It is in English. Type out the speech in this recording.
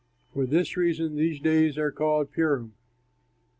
For this reason these days are called Purim.